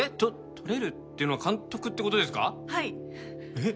えっ！